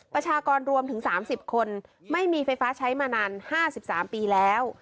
ประชากรรวมถึงสามสิบคนไม่มีไฟฟ้าใช้มานานห้าสิบสามปีแล้ว